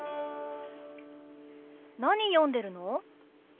何読んでるの？